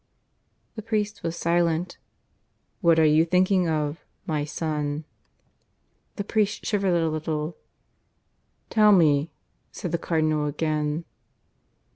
The priest was silent. "What are you thinking of, my son?" The priest shivered a little. "Tell me," said the Cardinal again.